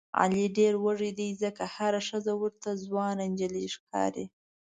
علي ډېر وږی دی ځکه هره ښځه ورته ځوانه نجیلۍ ښکاري.